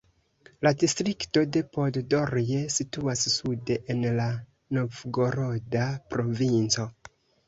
La distrikto de Poddorje situas sude en la Novgoroda provinco.